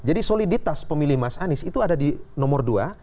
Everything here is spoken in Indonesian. jadi soliditas pemilih mas anies itu ada di nomor dua